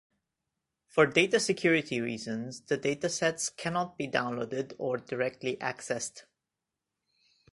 For data security reasons the datasets cannot be downloaded or directly accessed.